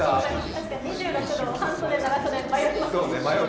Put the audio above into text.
確かに２６度、半袖、長袖迷いますね。